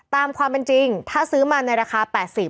ตามความเป็นจริงถ้าซื้อมาในราคา๘๐บาท